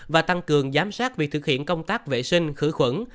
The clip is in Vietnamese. và tăng cường giám sát việc thực hiện công tác vệ sinh khử khuẩn